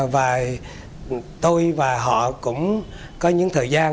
và tôi và họ cũng có những thời gian